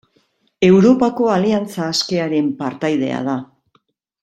Europako Aliantza Askearen partaidea da.